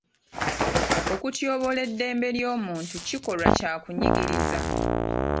Okutyoboola eddembe ly'omuntu kikolwa kya kunyigiriza.